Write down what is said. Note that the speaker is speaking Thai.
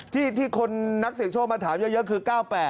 ที่คนนักเสี่ยงโชคมาถามเยอะคือ๙๘